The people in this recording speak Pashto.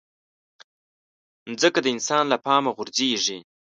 مځکه د انسان له پامه غورځيږي.